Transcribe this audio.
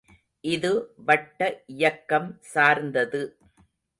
இது வட்ட இயக்கம் சார்ந்தது.